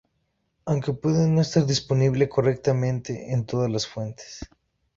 Aunque puede no estar disponible correctamente en todas las fuentes.